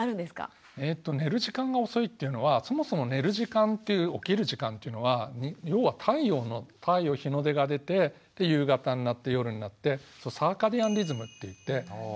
寝る時間が遅いっていうのはそもそも寝る時間という起きる時間というのは要は太陽の太陽日の出が出てで夕方になって夜になってサーカディアンリズムっていって。